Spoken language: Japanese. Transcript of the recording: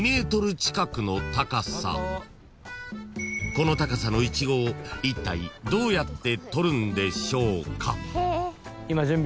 ［この高さのいちごをいったいどうやってとるんでしょうか］